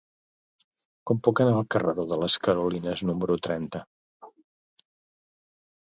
Com puc anar al carreró de les Carolines número trenta?